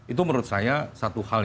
itu menurut saya satu hal